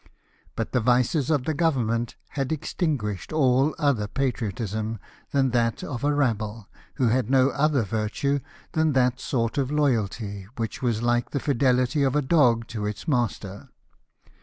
But the vices of the Government had extinguished all other patriotism than that of a rabble, who had no other virtue than that sort of loyalty which was like the fidelity of a dog to its master.